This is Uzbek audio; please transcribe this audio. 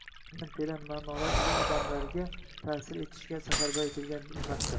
aynan teran ma’nolar ila odamlarga ta’sir etishga safarbar etilgan ummatdir.